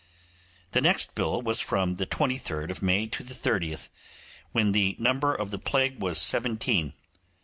The next bill was from the 23rd of May to the 30th, when the number of the plague was seventeen.